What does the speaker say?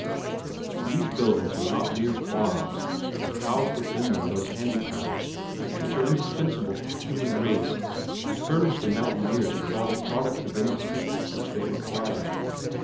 These buildings are not mere farms but house within them those handicrafts which are indispensable to the human race and furnish the mountaineers with all the products of industry which they require.